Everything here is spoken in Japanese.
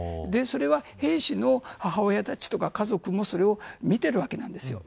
それは兵士の母親たちとか家族もそれを見ているわけなんです。